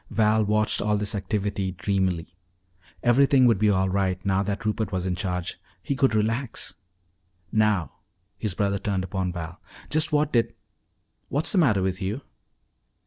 Val watched all this activity dreamily. Everything would be all right now that Rupert was in charge. He could relax "Now," his brother turned upon Val, "just what did What's the matter with you?"